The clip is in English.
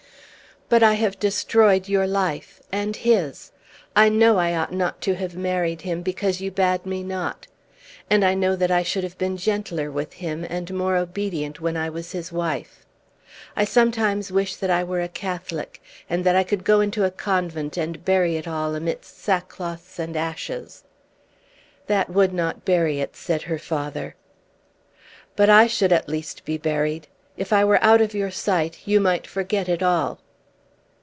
"But I have destroyed your life, and his. I know I ought not to have married him, because you bade me not. And I know that I should have been gentler with him, and more obedient, when I was his wife. I sometimes wish that I were a Catholic, and that I could go into a convent, and bury it all amidst sackcloths and ashes." "That would not bury it," said her father. "But I should at least be buried. If I were out of sight, you might forget it all."